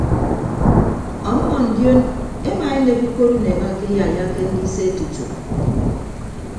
Ọmmọ ndion emaenek ukot unek akeyaiyake ndise tutu.